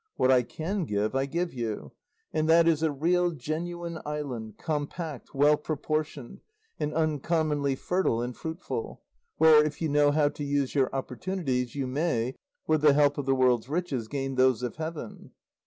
What I can give I give you, and that is a real, genuine island, compact, well proportioned, and uncommonly fertile and fruitful, where, if you know how to use your opportunities, you may, with the help of the world's riches, gain those of heaven."